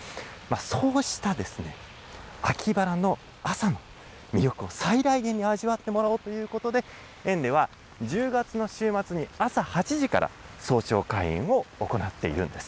そうした秋バラの朝の魅力を最大限に味わってもらおうということで、園では、１０月の週末に、朝８時から、早朝開園を行っているんです。